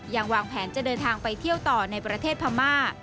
วางแผนจะเดินทางไปเที่ยวต่อในประเทศพม่า